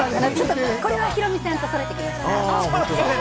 これはヒロミさんと揃えてきました。